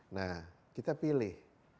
nah kita pilih